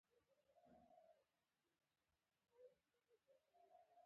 زړه د بدن د وینې دوران اصلي مرکز دی.